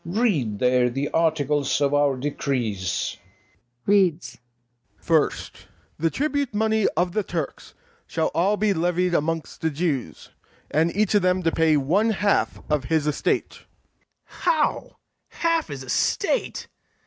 Read there the articles of our decrees. OFFICER. [reads] FIRST, THE TRIBUTE MONEY OF THE TURKS SHALL ALL BE LEVIED AMONGST THE JEWS, AND EACH OF THEM TO PAY ONE HALF OF HIS ESTATE. BARABAS. How! half his estate!